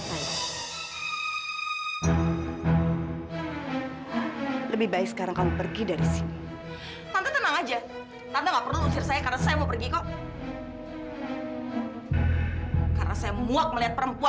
fadil sini kamu fadil